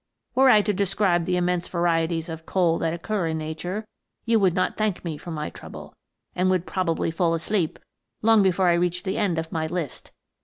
Were I to describe the immense varieties of coal that occur in nature, you would not thank me for my trouble, and would probably fall asleep long before I reached the end of my list.